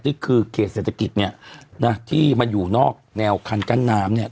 เขตเศรษฐกิจเนี่ยนะที่มันอยู่นอกแนวคันกั้นน้ำเนี่ย